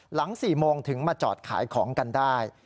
๔โมงถึงมาจอดขายของกันได้